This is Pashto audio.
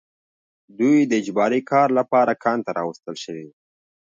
دوی د اجباري کار لپاره کان ته راوستل شوي وو